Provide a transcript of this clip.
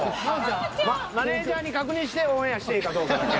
マネージャーに確認してオンエアしていいかどうかだけ。